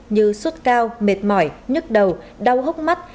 như suốt cao mệt mỏi nhức đầu đau hốc mắt